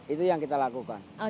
itu yang kita lakukan